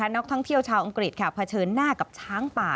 นักท่องเที่ยวชาวอังกฤษเผชิญหน้ากับช้างป่า